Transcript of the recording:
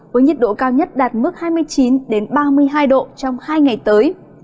với nhiệt độ cao nhất đạt mức hai mươi chín ba mươi hai độ trong hai ngày tới